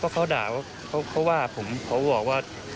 เขาด่าเขาว่าผมเขาบอกว่า